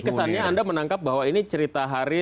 ini kesannya anda menangkap bahwa ini cerita haris